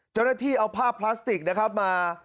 เจ้าหน้าที่เอาผ้าพลาสติกนะครับมา